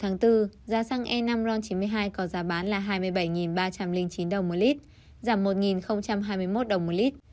tháng bốn giá xăng e năm ron chín mươi hai có giá bán là hai mươi bảy ba trăm linh chín đồng một lít giảm một hai mươi một đồng một lít